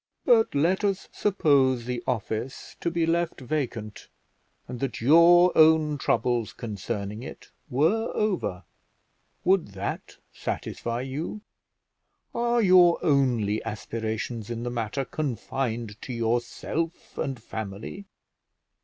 "But let us suppose the office to be left vacant, and that your own troubles concerning it were over; would that satisfy you? Are your only aspirations in the matter confined to yourself and family?